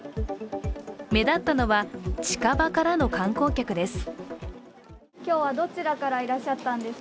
目立ったのは近場からの観光客です。